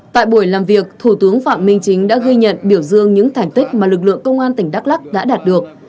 tại buổi làm việc thủ tướng phạm minh chính đã ghi nhận biểu dương những thành tích mà lực lượng công an tỉnh đắk lắc đã đạt được